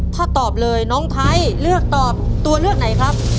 ถ้าตอบเลยน้องไทยเลือกตอบตัวเลือกไหนครับ